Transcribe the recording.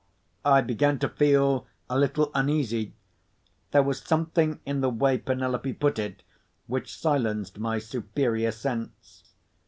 I began to feel a little uneasy. There was something in the way Penelope put it which silenced my superior sense.